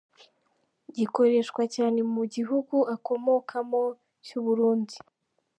gikoreshwa cyane mu gihugu akomokamo cyu Burundi.